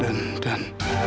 dan dan dan